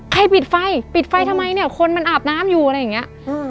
ปิดไฟปิดไฟทำไมเนี่ยคนมันอาบน้ำอยู่อะไรอย่างเงี้ย